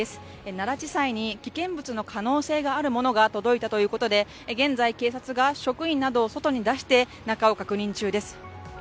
奈良地裁に危険物の可能性があるものが届いたということで現在、警察が職員などを外に出して中を確認中です。